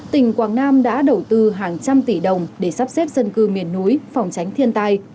tỉnh quảng nam đã đầu tư hàng trăm tỷ đồng để sắp xếp dân cư miền núi phòng tránh thiên tai